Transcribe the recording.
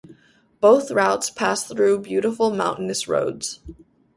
Both routes pass through beautiful mountainous roads.